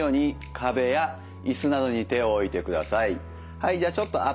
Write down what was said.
はいじゃあちょっとアップ